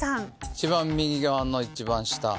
一番右側の一番下。